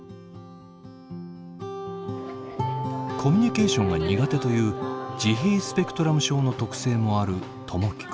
コミュニケーションが苦手という自閉スペクトラム症の特性もある友輝君。